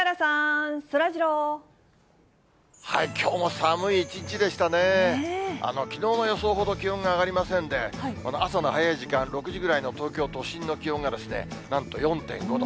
それでも、きのうの予想ほど気温が上がりませんで、朝の早い時間、６時ぐらいの東京都心の気温がですね、なんと４．５度。